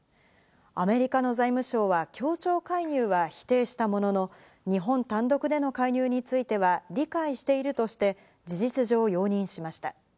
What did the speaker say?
アメリカの財務省は協調介入は否定したものの、日本単独での介入については理解しているとして事実上、容認しました。